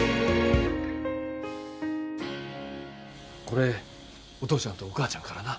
これお父ちゃんとお母ちゃんからな。